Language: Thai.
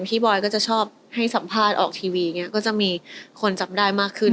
บอยก็จะชอบให้สัมภาษณ์ออกทีวีอย่างนี้ก็จะมีคนจับได้มากขึ้น